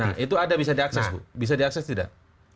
nah itu ada bisa diakses bu bisa diakses tidak